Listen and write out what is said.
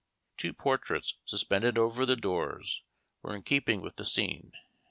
Two portraits, suspended over the doors, were in keeping with the scene.